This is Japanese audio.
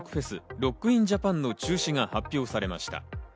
ＲＯＣＫＩＮＪＡＰＡＮの中止が発表されました。